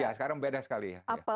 ya sekarang beda sekali